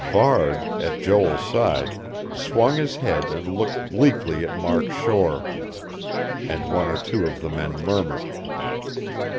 Varde, at Joel's side, swung his head and looked bleakly at Mark Shore; and one or two of the men murmured.